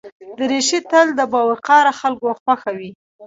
دریشي تل د باوقاره خلکو خوښه وي.